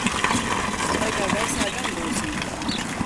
Svaigā gaisā gan būsim.